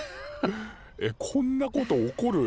えっこんなこと起こる？